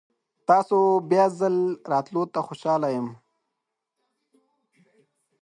تاسو بیا ځل راتلو ته خوشحال یم.